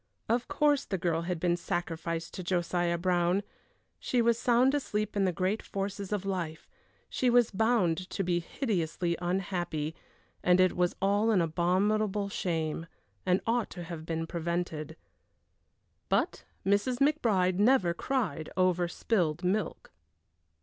Of course the girl had been sacrificed to Josiah Brown; she was sound asleep in the great forces of life; she was bound to be hideously unhappy, and it was all an abominable shame, and ought to have been prevented. But Mrs. McBride never cried over spilled milk.